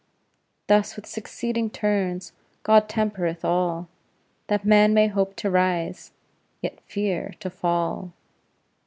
Thus, with succeeding turns God tempereth all, That man may hope to rise, yet fear to fall.